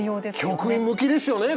局員向きですよね